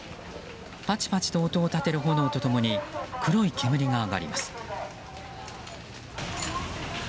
ぱちぱちと音を立てる炎と共に黒い煙が上がります。